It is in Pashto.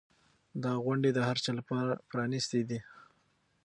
دا غونډې د هر چا لپاره پرانیستې دي.